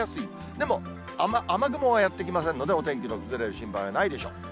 でも、雨雲はやって来ませんので、お天気の崩れる心配はないでしょう。